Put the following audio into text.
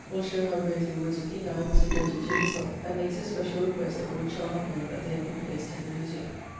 will show how greatly Wood's Athenae was indebted to his help, and makes a special request that Wood shall not know that they have been placed in the Museum.